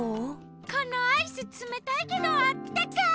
このアイスつめたいけどあったかい！